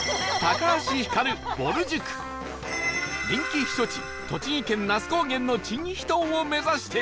人気避暑地栃木県那須高原の珍秘湯を目指して